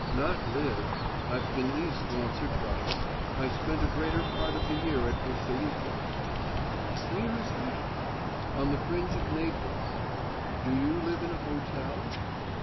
"Not lived. I've been East once or twice. I spend a greater part of the year at Posilipo." "Where is that?" "On the fringe of Naples." "Do you live in a hotel?"